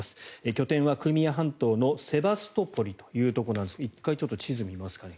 拠点はクリミア半島のセバストポリというところなんですが１回地図を見ますかね